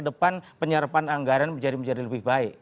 di depan penyerapan anggaran menjadi lebih baik